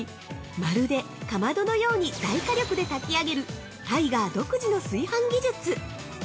まるで、かまどのように大火力で炊き上げるタイガー独自の炊飯技術。